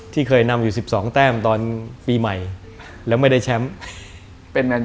เคยนำอยู่๑๒แต้มตอนปีใหม่แล้วไม่ได้แชมป์เป็นอัน